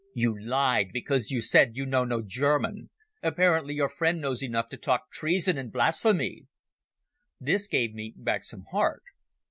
"You lied, because you said you know no German. Apparently your friend knows enough to talk treason and blasphemy." This gave me back some heart.